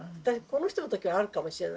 この人の時はあるかもしれないけど。